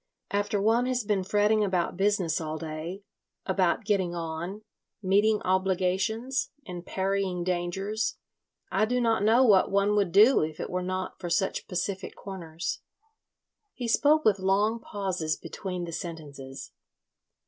After one has been fretting about business all day, about getting on, meeting obligations, and parrying dangers, I do not know what one would do if it were not for such pacific corners." He spoke with long pauses between the sentences.